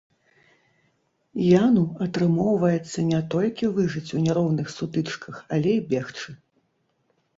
Яну атрымоўваецца не толькі выжыць у няроўных сутычках, але і бегчы.